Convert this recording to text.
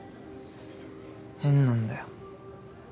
変なんだよ。